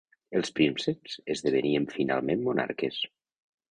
Els prínceps esdevenien finalment monarques.